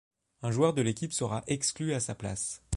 Un joueur de l'équipe sera exclu à sa place.